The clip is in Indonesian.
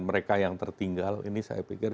mereka yang tertinggal ini saya pikir